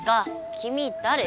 きみだれ？